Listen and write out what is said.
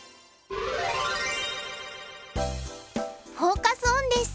フォーカス・オンです。